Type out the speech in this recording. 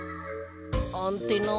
アンテナ。